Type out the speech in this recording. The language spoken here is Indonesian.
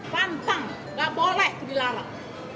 pantang gak boleh itu dilarang